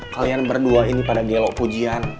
kalian berdua ini pada gelok pujian